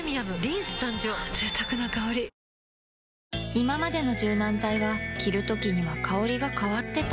いままでの柔軟剤は着るときには香りが変わってた